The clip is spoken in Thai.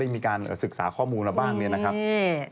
มีการศึกษาข้อมูลมาบ้างเนี่ยนะครับ